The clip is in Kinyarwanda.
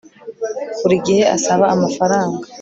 buri gihe asaba amafaranga